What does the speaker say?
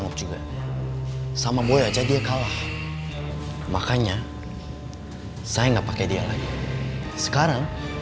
oke gimana kalau